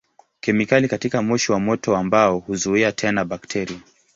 Kemikali katika moshi wa moto wa mbao huzuia tena bakteria.